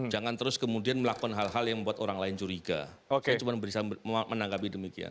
jangan terus kemudian melakukan hal hal yang membuat orang lain curiga saya cuma bisa menanggapi demikian